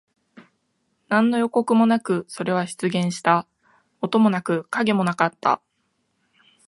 何の予告もなく、それは出現した。音もなく、影もなかった。